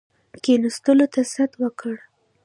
کښېنستلو ته ست وکړ.